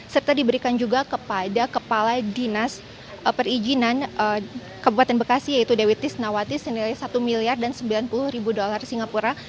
serta diberikan juga kepada kepala dinas perizinan kabupaten bekasi yaitu dewi tisnawati senilai satu miliar dan sembilan puluh ribu dolar singapura